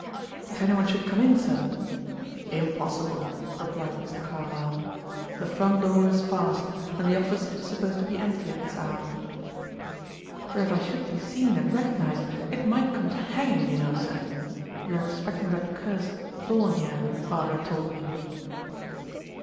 "If any one should come in, sir?" "Impossible!" replied Mr. Carlyle. "The front door is fast, and the office is supposed to be empty at this hour." "For if I should be seen and recognized, it might come to hanging, you know, sir. You are expecting that cursed Thorn here, Barbara told me."